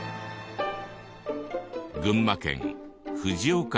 群馬県藤岡市。